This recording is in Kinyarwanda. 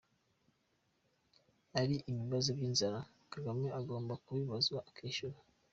-Ari ibibazo by’inzara, Kagame agomba kubibazwa akishyura.